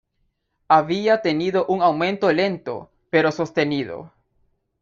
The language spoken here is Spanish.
Había tenido un aumento lento, pero sostenido.